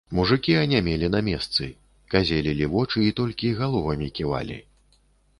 Мужыкі анямелі на месцы, казелілі вочы і толькі галовамі ківалі.